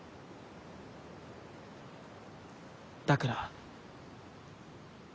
だから。